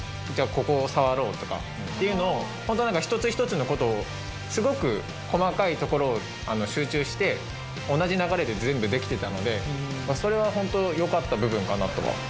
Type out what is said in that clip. ここをさわろうとかっていうのを１つ１つのことをすごく細かいところを集中して同じ流れで全部できてたのでそれは本当よかった部分かなとは。